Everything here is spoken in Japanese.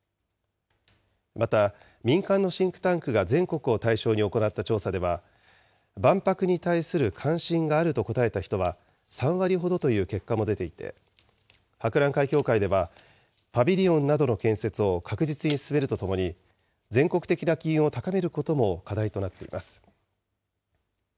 また、民間のシンクタンクが全国を対象に行った調査では、万博に対する関心があると答えた人は、３割ほどという結果も出ていて、博覧会協会では、パビリオンなどの建設を確実に進めるとともに、全国的な機運を高めることも課題となっています。